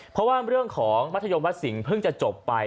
เพราะว่าเรื่องของมัธยมวัดสิงห์เพิ่งจะจบไป